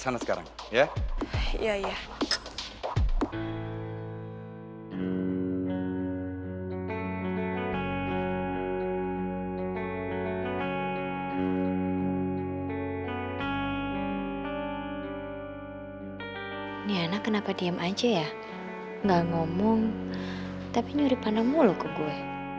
niana kenapa diam aja ya gak ngomong tapi nyurik pandang mulu ke gue